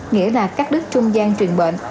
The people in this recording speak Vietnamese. nghĩa là cắt đứt trung gian truyền bệnh